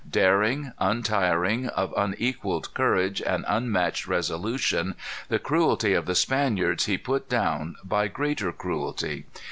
Daring, untiring, of unequalled courage and unmatched resolution, the cruelty of the Spaniards he put down by greater cruelty.